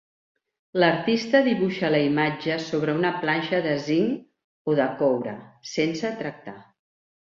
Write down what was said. L'artista dibuixa la imatge sobre una planxa de zinc o de coure, sense tractar.